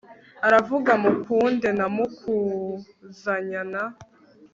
aravuga mukunde na mukuzanyana